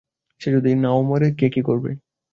সে যদি নাও মরে কে কি করবে?